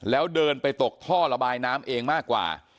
แล้วเดินไปตกท่อระบายน้ำเองมากกว่า